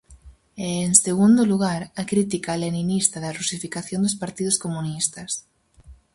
E, en segundo lugar, a crítica leninista da rusificación dos partidos comunistas.